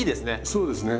そうですね。